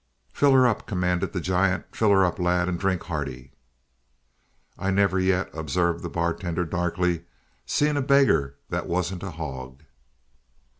"Fill her up!" commanded the giant. "Fill her up, lad, and drink hearty." "I never yet," observed the bartender darkly, "seen a beggar that wasn't a hog."